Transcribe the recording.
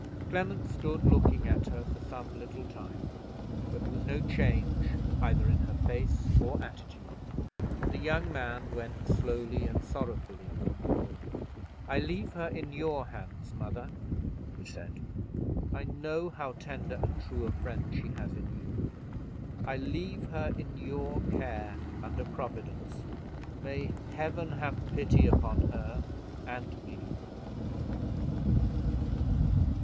Clement stood looking at her for some little time; but there was no change either in her face or attitude, and the young man went slowly and sorrowfully from the room. "I leave her in your hands, mother," he said. "I know how tender and true a friend she has in you; I leave her in your care, under Providence. May Heaven have pity upon her and me!"